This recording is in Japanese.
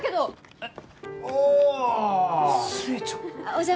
えっ？